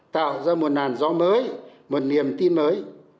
tạo ra một làn gió mới một niềm tin mới